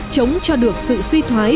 chống cho được sự suy thoái